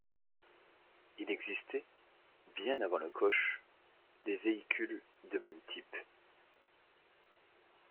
Il existait, bien avant le coche, des véhicules de même type.